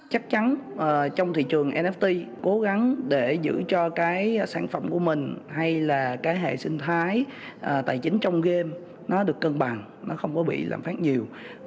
chắc chắn trong thị trường nft cố gắng để giữ cho cái sản phẩm của mình hay là cái hệ sinh thái tài chính trong game nó được cân bằng nó không có bị lạm phát nhiều